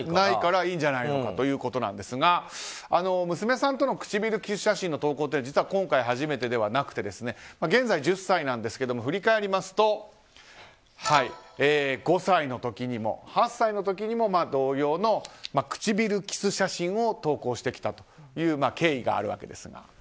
だからいいんじゃないのかということなんですが娘さんとの唇キス写真の投稿は実は今回が初めてではなくて現在１０歳ですが振り返りますと５歳の時にも８歳の時にも同様の唇キス写真を投稿してきたという経緯があるわけです。